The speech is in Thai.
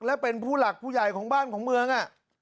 และเป็นผู้หลักผู้ใหญ่ของบ้านของเมือง